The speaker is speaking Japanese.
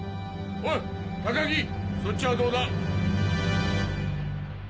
おい高木そっちはどうだ？